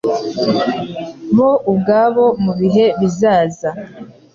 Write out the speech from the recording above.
bo ubwabo mu bihe bizaza